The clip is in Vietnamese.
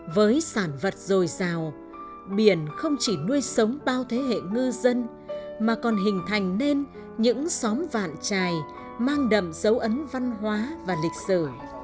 với sản vật dồi dào biển không chỉ nuôi sống bao thế hệ ngư dân mà còn hình thành nên những xóm vạn trài mang đậm dấu ấn văn hóa và lịch sử